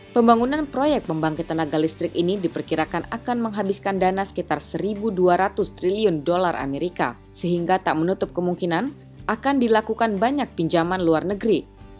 pembangunan proyek pembangkit tenaga listrik ini diperkirakan akan menghabiskan dana sekitar satu dua ratus triliun dolar amerika sehingga tak menutup kemungkinan akan dilakukan banyak pinjaman luar negeri